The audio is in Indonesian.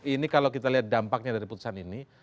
ini kalau kita lihat dampaknya dari putusan ini